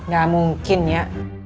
gak mungkin ya